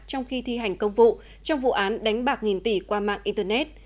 trong khi thi hành công vụ trong vụ án đánh bạc nghìn tỷ qua mạng internet